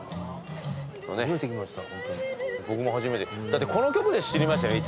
だってこの曲で知りましたよね